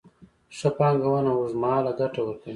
ښه پانګونه اوږدمهاله ګټه ورکوي.